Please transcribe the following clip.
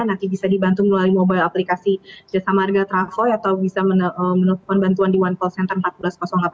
nanti bisa dibantu melalui mobile aplikasi jasa marga travoi atau bisa menemukan bantuan di one call center empat belas delapan ratus